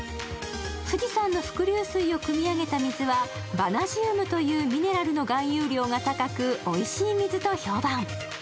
富士山の伏流水をくみ上げた水はバナジウムというミネラルの含有量が多く、おいしい水と評判。